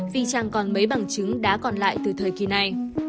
vì chẳng còn mấy bằng chứng đã còn lại từ thời kỳ này